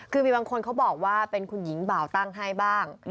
คือมีบางคนเขาบอกว่าเป็นคุณหญิงบ่าวตั้งให้บ้าง